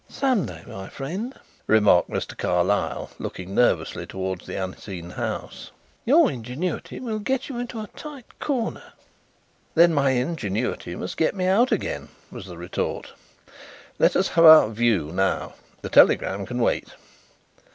"Some day, my friend," remarked Mr. Carlyle, looking nervously toward the unseen house, "your ingenuity will get you into a tight corner." "Then my ingenuity must get me out again," was the retort. "Let us have our 'view' now. The telegram can wait."